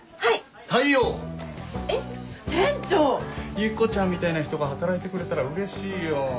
ユキコちゃんみたいな人が働いてくれたらうれしいよ。